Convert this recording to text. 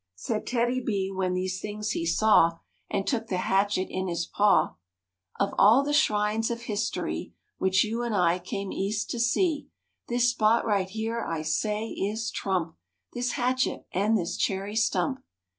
Said TEDDY B when these things he saw And took the hatchet in his paw: " Of all the shrines of history Which you and I came East to see This spot right here I say is trump; This hatchet and this cherry stump."